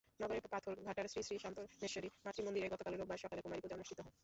নগরের পাথরঘাটার শ্রীশ্রী শান্তনেশ্বরী মাতৃমন্দিরে গতকাল রোববার সকালে কুমারী পূজা অনুষ্ঠিত হয়।